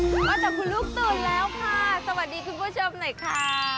นอกจากคุณลูกตื่นแล้วค่ะสวัสดีคุณผู้ชมหน่อยค่ะ